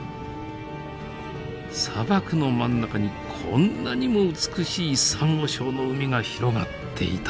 砂漠の真ん中にこんなにも美しいサンゴ礁の海が広がっていたとは！